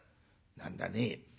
何だね